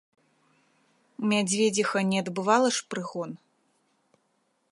Мядзведзіха не адбывала ж прыгон.